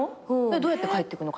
どうやって帰ってくるの？